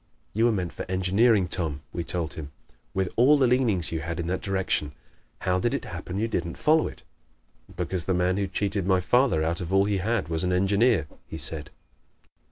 "You were meant for engineering, Tom," we told him. "With all the leanings you had in that direction, how did it happen you didn't follow it?" "Because the man who cheated my father out of all he had was an engineer!" he said.